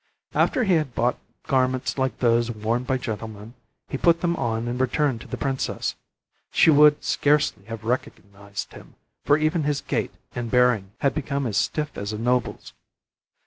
After he had bought garments like those worn by gentlemen, he put them on and returned to the princess. She would scarcely have recognized him, for even his gait and bearing had become as stiff as a noble's.